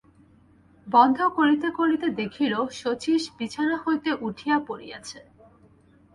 বন্ধ করিতে করিতে দেখিল, শচীশ বিছানা হইতে উঠিয়া পড়িয়াছে।